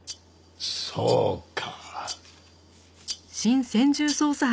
そうか。